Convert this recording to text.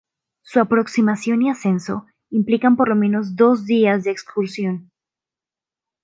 Su aproximación y ascenso implican por lo menos dos días de excursión.